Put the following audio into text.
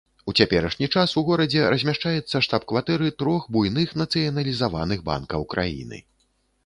У цяперашні час у горадзе размяшчаецца штаб-кватэры трох буйных нацыяналізаваных банкаў краіны.